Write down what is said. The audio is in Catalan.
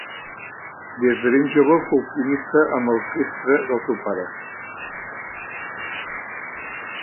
Des de ben jove fou pianista en l'orquestra del seu pare.